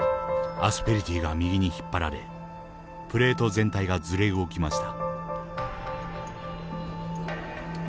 アスペリティが右に引っ張られプレート全体がずれ動きました。